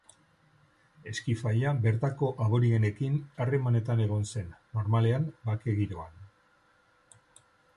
Eskifaia bertako aborigenekin harremanetan egon zen, normalean bake giroan.